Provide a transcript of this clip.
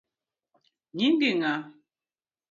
Nyingi ng’a?